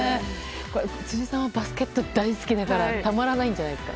辻さんはバスケットが大好きだからたまらないんじゃないですか？